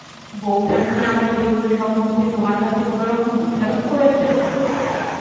বউঠান কি আমার চরিত্রসম্বন্ধে তোমার কাছে কোনোরকম দোষারোপ করেছেন।